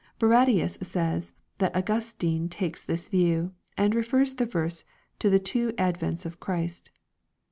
Barradius says, that Augustine takes this view, and refers the verse to the two advents of Christ.